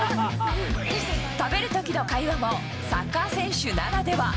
食べるときの会話も、サッカー選手ならでは。